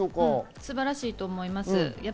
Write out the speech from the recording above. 素晴らしいと思います。